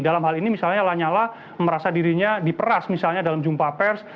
dalam hal ini misalnya lanyala merasa dirinya diperas misalnya dalam jumpa pers